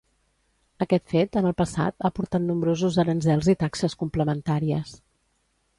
Aquest fet, en el passat, ha portat nombrosos aranzels i taxes complementàries.